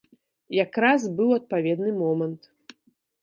Якраз быў адпаведны момант.